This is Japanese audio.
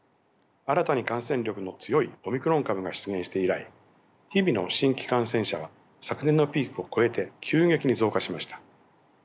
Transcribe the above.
新たに感染力の強いオミクロン株が出現して以来日々の新規感染者は昨年のピークを超えて急激に増加しました。